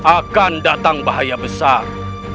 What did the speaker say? akan datang bahaya besar